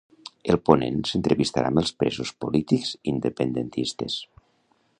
El ponent s'entrevistarà amb els presos polítics independentistes